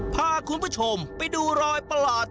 พาคุณผู้ชมไปดูรอยประหลาด